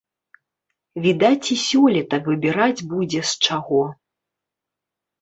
Відаць, і сёлета выбіраць будзе з чаго.